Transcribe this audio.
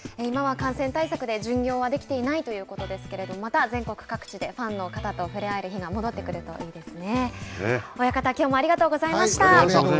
今は感染対策で巡業はできていないということですけれどもまた全国各地でファンの方と触れ合える日が戻ってくるといいですね。